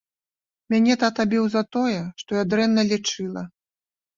Мяне тата біў за тое, што я дрэнна лічыла.